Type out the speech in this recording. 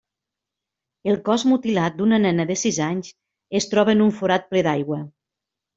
El cos mutilat d'una nena de sis anys es troba en un forat ple d'aigua.